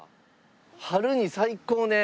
春に最高ね。